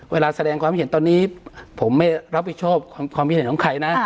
เวลาแสดงความเห็นตอนนี้ผมไม่รับผิดชอบความเห็นของใคร